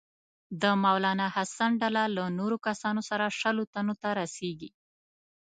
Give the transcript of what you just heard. د مولنا حسن ډله له نورو کسانو سره شلو تنو ته رسیږي.